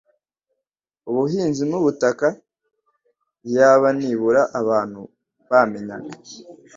ubuhinzi n’ubutaka. Iyaba nibura abantu bamenyaga